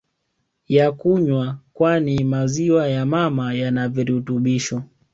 ya kunywa kwani maziwa ya mama yanavirutubisho